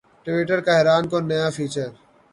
Twitter کا حیران کن نیا فیچر